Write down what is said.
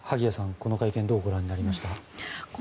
この会見どうご覧になりました？